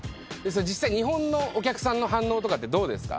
実際日本のお客さんの反応とかってどうですか？